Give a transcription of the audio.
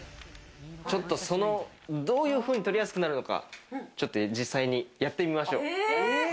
ちょっと、どういうふうに撮りやすくなるのか、実際にやってみましょう。